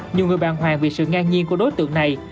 nhiều người bàng hoàng vì sự ngang nhiên của đối tượng này